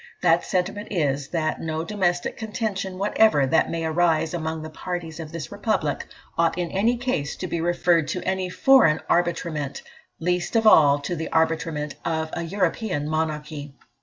That sentiment is, that no domestic contention whatever that may arise among the parties of this republic ought in any case to be referred to any foreign arbitrament, least of all to the arbitrament of a European monarchy."